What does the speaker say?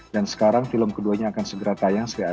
sekarang film keduanya akan segera tayang